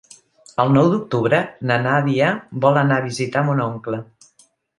El nou d'octubre na Nàdia vol anar a visitar mon oncle.